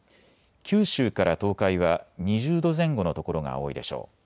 九州から東海は２０度前後の所が多いでしょう。